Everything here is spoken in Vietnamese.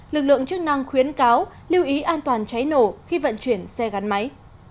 lực lượng chức năng khuyến cáo lưu ý an toàn cháy nổ khi vận chuyển xe gắn máy